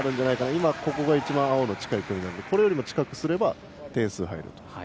今、一番青が近い距離なのでこれよりも近くすれば点数が入ると。